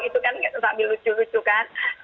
itu kan sambil lucu lucu kan